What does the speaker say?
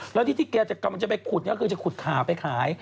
แล้วที่ที่แกจะกำลังจะไปขุดก็คือจะขุดขาไปขาย